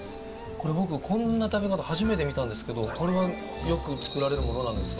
これ僕こんな食べ方初めて見たんですけどこれはよく作られるものなんですか？